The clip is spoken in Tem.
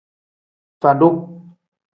Fadu.